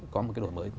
có một cái đổi mới